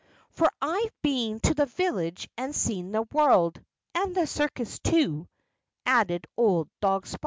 "For I've been to the village and seen the world and the circus, too," added old dog Spot.